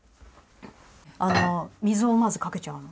あの水をまずかけちゃうの。